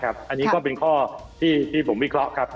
อันนี้ก็เป็นข้อที่ผมวิเคราะห์ครับ